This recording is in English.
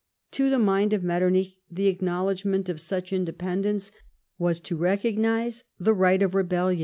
To the mind of Metternich the acknowledgment of such independence was to recognise the right of rebellion.